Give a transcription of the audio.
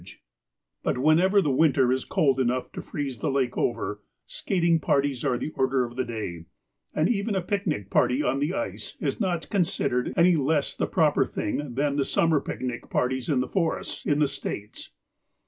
FLOTSAM AND JETSAM 335 But whenever the winter is cold enough to freeze the lake over, skating parties are the order of the day, and even a picnic party on the ice is not considered any less the proper thing than the summer picnic parties in the forests in the States.